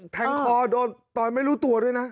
แทงคอโดนต่อยไม่รู้ตัวด้วยนะ